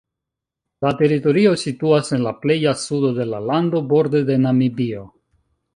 La teritorio situas en la pleja sudo de la lando, borde de Namibio.